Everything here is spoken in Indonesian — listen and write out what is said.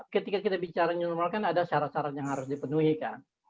ketika kita bicara new normal kan ada syarat syarat yang harus dipenuhi kan